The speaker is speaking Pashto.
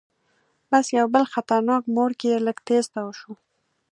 بس یو بل خطرناک موړ کې لږ تیز تاو شو.